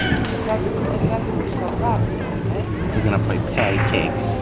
Tātad es tagad atgūšu savu darbu, vai ne?